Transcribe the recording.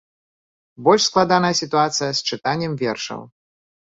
Больш складаная сітуацыя з чытаннем вершаў.